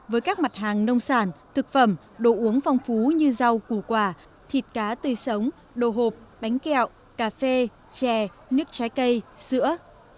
với các mặt hàng nông sản thực phẩm đồ uống phong phú như rau củ quả thịt cá tươi sống đồ hộp bánh kẹo cà phê chè nước trái cây sữa